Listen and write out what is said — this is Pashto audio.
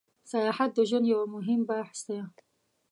سیاحت د ژوند یو موهیم بحث ده